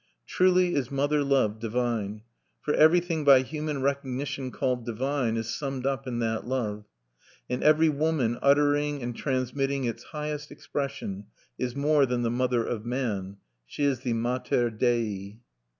Truly is mother love divine; for everything by human recognition called divine is summed up in that love; and every woman uttering and transmitting its highest expression is more than the mother of man: she is the Mater Dei.